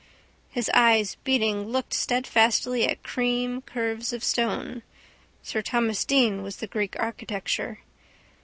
His eyes beating looked steadfastly at cream curves of stone. Sir Thomas Deane was the Greek architecture.